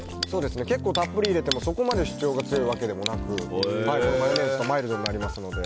結構たっぷり入れてもそこまで主張が強いわけでもなくマヨネーズとでマイルドになりますので。